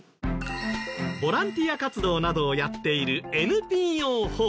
ボランティア活動などをやっている。